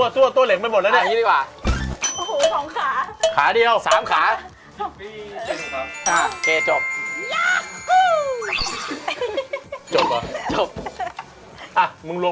ใจมึงกล้าแค่ไหนมึงรวม